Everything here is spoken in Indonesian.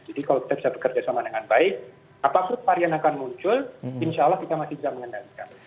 jadi kalau kita bisa bekerja sama dengan baik apapun varian yang akan muncul insya allah kita masih bisa mengendalikan